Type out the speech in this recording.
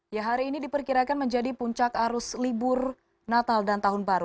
ya hari ini diperkirakan menjadi puncak arus libur natal dan tahun baru